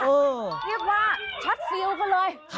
เรียกว่าชัดซีลกันเลย